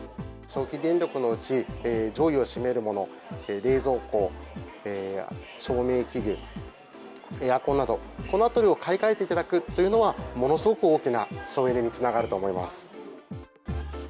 消費電力のうち、上位を占めるもの、冷蔵庫、照明器具、エアコンなど、このあたりを買い替えていただくというのは、ものすごく大きな省エネにつながると思います。